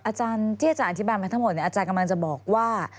อาจารย์ที่อาจารย์อธิบายมาทั้งหมดอาจารย์กำลังจะบอกว่า